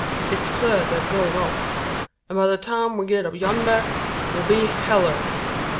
It's clur they've goed off; an by the time we git up yander, they'll be hellurd."